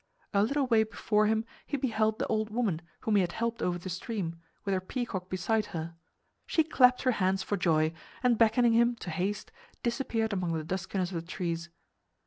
A little way before him he beheld the old woman whom he had helped over the stream, with her peacock beside her. She clapped her hands for joy, and beckoning him to haste, disappeared among the duskiness of the trees.